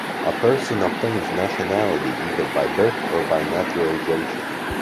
A person obtains nationality either by birth or by naturalization.